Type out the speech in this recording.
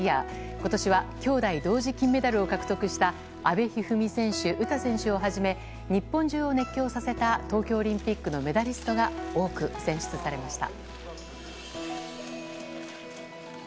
今年は兄妹同時金メダルを獲得した阿部一二三選手、詩選手をはじめ日本中を熱狂させた東京オリンピックのメダリストが多く選出されました。